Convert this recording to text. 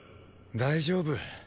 大丈夫。